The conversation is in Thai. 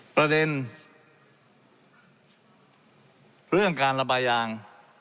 ประเด็นเรื่องการระบายยาง